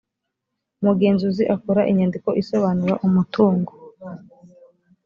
umugenzuzi akora inyandiko isobanura umutungo